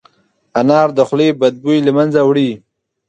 انار د خولې بد بوی له منځه وړي.